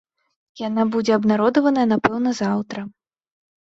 Яна будзе абнародаваная, напэўна, заўтра.